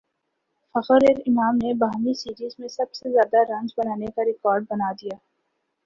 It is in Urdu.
فخر اور امام نے باہمی سیریز میں سب سے زیادہ رنز بنانے کاریکارڈ بنادیا